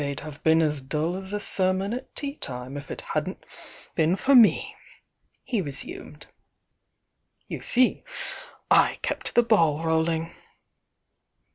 "They'd have been as dull as a sermon at tea time if it hadn't been for me," he resumed. "You see, I kept the ball rolling."